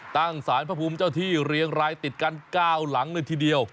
ตั้งสารพระภูมิเจ้าที่เรียงรายติดกัน๙หลังเลยทีเดียว